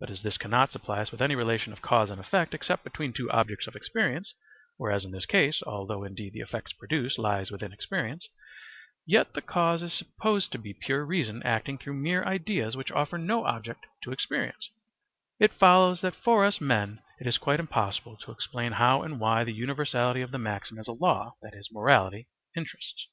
But as this cannot supply us with any relation of cause and effect except between two objects of experience, whereas in this case, although indeed the effect produced lies within experience, yet the cause is supposed to be pure reason acting through mere ideas which offer no object to experience, it follows that for us men it is quite impossible to explain how and why the universality of the maxim as a law, that is, morality, interests.